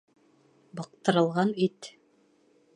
Быҡтырылған ит